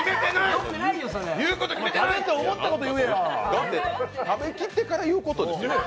だって食べてから言うことですよ。